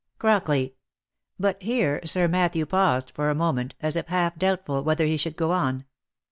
— Crockley," but here Sir Matthew paused for a moment, as if half doubtful whether he should go on.